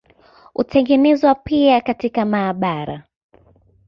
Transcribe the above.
Hutengenezwa pia katika maabara.